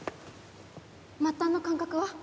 末端の感覚は？